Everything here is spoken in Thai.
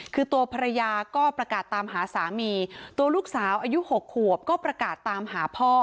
คือตัวภรรยาก็ประกาศตามหาสามีตัวลูกสาวอายุ๖ขวบก็ประกาศตามหาพ่อ